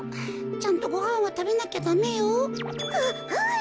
ちゃんとごはんはたべなきゃダメよ。ははい！